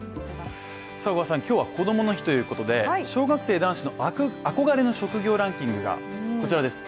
今日はこどもの日ということで、小学生男子の憧れの職業ランキングがこちらです。